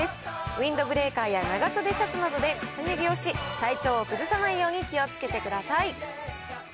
ウインドブレーカーや長袖シャツなどで重ね着をし、体調を崩さないように気をつけてください。